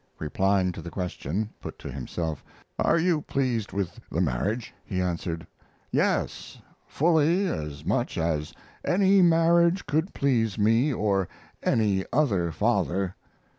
Replying to the question (put to himself), "Are you pleased with the marriage?" he answered: Yes, fully as much as any marriage could please me or any other father.